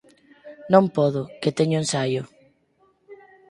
Non podo, que teño ensaio.